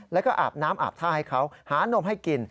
แล้วก็อาบน้ำอาบท่าให้เขาหานมให้กิน